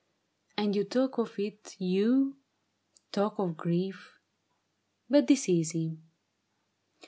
And you talk of it, you ! talk of grief ! but 'tis easy.